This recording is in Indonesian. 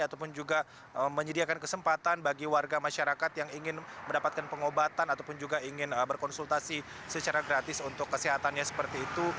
ataupun juga menyediakan kesempatan bagi warga masyarakat yang ingin mendapatkan pengobatan ataupun juga ingin berkonsultasi secara gratis untuk kesehatannya seperti itu